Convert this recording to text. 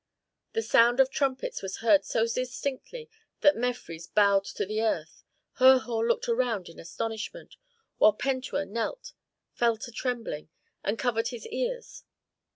The sound of trumpets was heard so distinctly that Mefres bowed to the earth, Herhor looked around in astonishment, while Pentuer knelt, fell to trembling, and covered his ears.